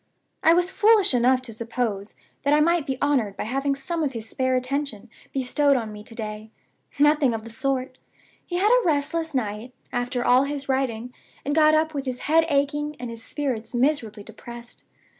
I was foolish enough to suppose that I might be honored by having some of his spare attention bestowed on me to day. Nothing of the sort! He had a restless night, after all his writing, and got up with his head aching, and his spirits miserably depressed.